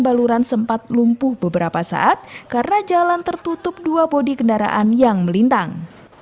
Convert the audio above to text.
beberapa saat karena jalan tertutup dua bodi kendaraan yang melintang